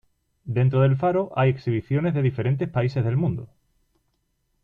Dentro del faro hay exhibiciones de diferentes países del mundo.